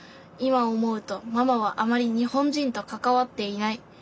今思うとママはあまり日本人と関わっていない。